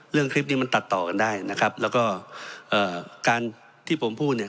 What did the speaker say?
เรื่องนี้มันตัดต่อกันได้นะครับแล้วก็เอ่อการที่ผมพูดเนี่ย